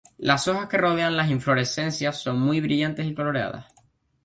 Las hojas que rodean las inflorescencias son muy brillantes y coloreadas.